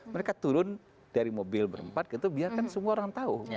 mereka turun dari mobil berempat gitu biarkan semua orang tahu